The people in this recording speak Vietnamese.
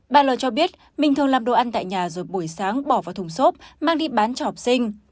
bà l cho biết mình thường làm đồ ăn tại nhà rồi buổi sáng bỏ vào thùng xốp mang đi bán cho học sinh